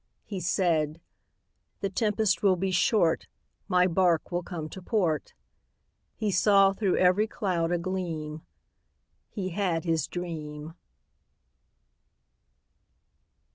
He said, "The tempest will be short, My bark will come to port." He saw through every cloud a gleam He had his dream.